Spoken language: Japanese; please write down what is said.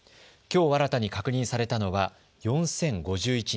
きょう新たに確認されたのは４０５１人。